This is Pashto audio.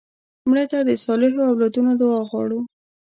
مړه ته د صالحو اولادونو دعا غواړو